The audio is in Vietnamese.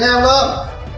nghe không lâm